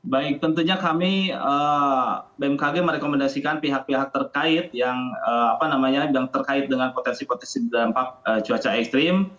baik tentunya kami bmkg merekomendasikan pihak pihak terkait yang terkait dengan potensi potensi dampak cuaca ekstrim